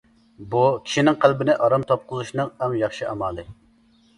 بۇ، كىشىنىڭ قەلبىنى ئارام تاپقۇزۇشنىڭ ئەڭ ياخشى ئامالى.